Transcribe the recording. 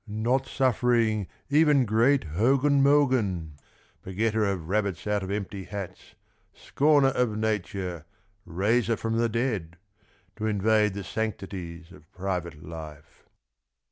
Not suffering even great Hogen Mogen, Begetter of rabbits out of empty hats, Scorner of nature, raiser from the dead. To invade the sanctities of private life.